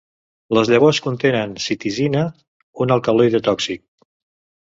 Les llavors contenen citisina, un alcaloide tòxic.